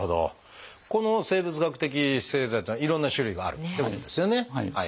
この生物学的製剤っていうのはいろんな種類があるってことですよね。